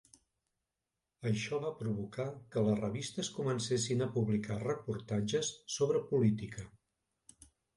Això va provocar que les revistes comencessin a publicar reportatges sobre política.